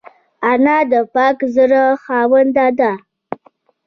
انا د پاک زړه خاونده ده